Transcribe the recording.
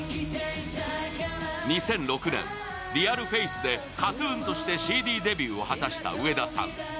２００６年、「ＲｅａｌＦａｃｅ」でＫＡＴ−ＴＵＮとしてＣＤデビューを果たした上田さん。